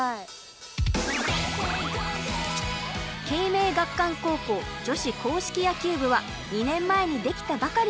啓明学館高校女子硬式野球部は２年前にできたばかりのチーム。